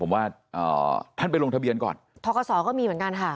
ผมว่าท่านไปลงทะเบียนก่อนทกศก็มีเหมือนกันค่ะ